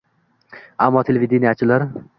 Ammo televideniyechilar